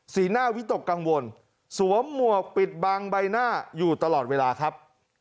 หน้าวิตกกังวลสวมหมวกปิดบังใบหน้าอยู่ตลอดเวลาครับ